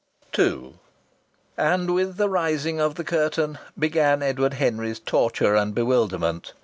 II And with the rising of the curtain began Edward Henry's torture and bewilderment.